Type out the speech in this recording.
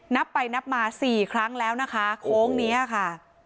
นับไปนับมาสี่ครั้งแล้วนะคะโค้งนี้ค่ะ